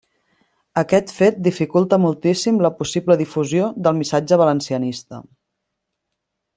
Aquest fet dificulta moltíssim la possible difusió del missatge valencianista.